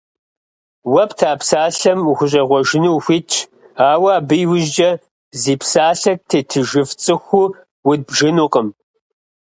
Уэ пта псалъэм ухущӀегъуэжыну ухуитщ, ауэ абы и ужькӀэ зи псалъэ тетыжыф цӀыхуу удбжыжынукъым.